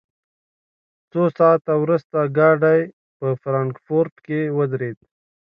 څو ساعته وروسته ګاډی په فرانکفورټ کې ودرېد